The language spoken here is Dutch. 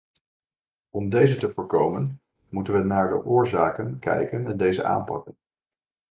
Om deze te voorkomen, moeten we naar de oorzaken kijken en deze aanpakken.